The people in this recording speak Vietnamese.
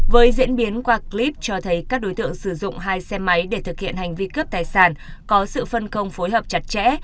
với diễn biến qua clip cho thấy các đối tượng sử dụng hai xe máy để thực hiện hành vi cướp tài sản có sự phân công phối hợp chặt chẽ